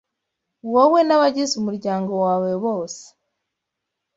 wowe n’abagize umuryango wawe bose